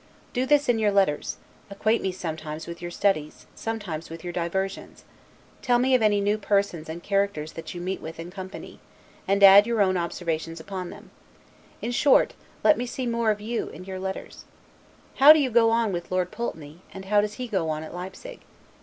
Do this in your letters: acquaint me sometimes with your studies, sometimes with your diversions; tell me of any new persons and characters that you meet with in company, and add your own observations upon them: in short, let me see more of you in your letters. How do you go on with Lord Pulteney, and how does he go on at Leipsig?